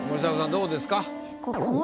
どうですか？